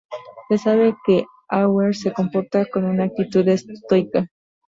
Se sabe que Auer se comporta con una actitud estoica.